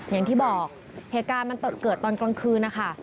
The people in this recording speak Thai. อย่างที่บอกเหตุการณ์มันเกิดตอนกลางคืนนะคะ